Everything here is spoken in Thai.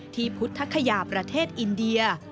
ที่พุทธคยาประเทศอินเดีย